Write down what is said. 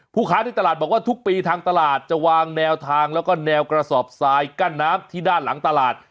ค้าในตลาดบอกว่าทุกปีทางตลาดจะวางแนวทางแล้วก็แนวกระสอบทรายกั้นน้ำที่ด้านหลังตลาด